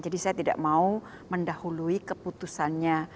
jadi saya tidak mau mendahului keputusannya